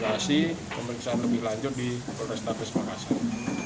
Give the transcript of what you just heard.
jadi pemeriksaan lebih lanjut di polres tabes makassar